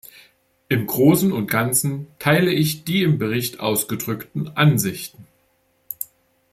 Im Großen und Ganzen teile ich die im Bericht ausgedrückten Ansichten.